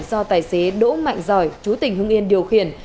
do tài xế đỗ mạnh giỏi chú tỉnh hưng yên điều khiển